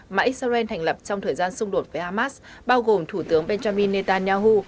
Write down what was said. mà israel thành lập trong thời gian xung đột với hamas bao gồm thủ tướng benjamin netanyahu